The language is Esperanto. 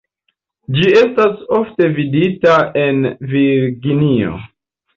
Ĝi estas ofte vidita en Virginio.